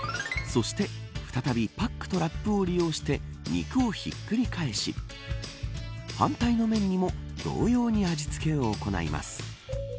そして再びパックとラップを利用して肉をひっくり返し反対の面にも同様に味付けを行います。